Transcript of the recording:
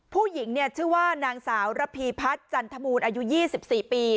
ผู้หญิงชื่อว่านางสาวระพีพัฒน์จันทมูลอายุ๒๔ปี